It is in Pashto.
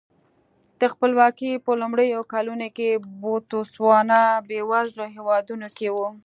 د خپلواکۍ په لومړیو کلونو کې بوتسوانا بېوزلو هېوادونو کې و.